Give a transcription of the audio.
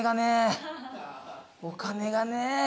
お金がねえ。